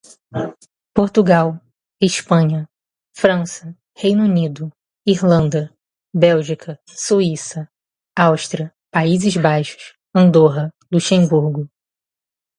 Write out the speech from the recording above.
Portugal, Espanha, França, Reino Unido, Irlanda, Bélgica, Suíça, Áustria, Países Baixos, Andorra, Luxemburgo